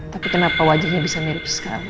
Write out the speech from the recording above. tapi kenapa wajahnya bisa mirip sekarang